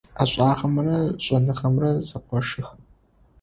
Ӏэшӏагъэмрэ шӏэныгъэмрэ зэкъошых.